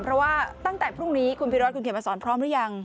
เพราะว่าตั้งแต่พรุ่งนี้คุณพิรัตคุณเขียนมาสอนพร้อมหรือยัง